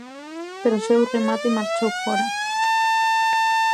Pero o seu remate marchou fóra.